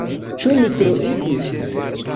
Ĉu mi troigis?